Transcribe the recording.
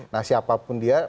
nah siapapun dia